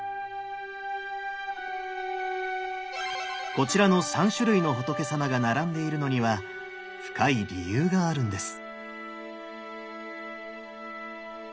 こちらの３種類の仏さまが並んでいるのには深い理由があるんです。